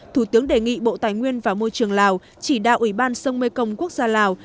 thủ tướng đề nghị bộ tài nguyên và môi trường lào chỉ đạo ủy ban sông mê công quốc gia lào